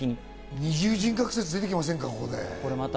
二重人格説、出てきませんか？